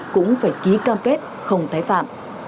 cũng phải ký cam kết không tái phạm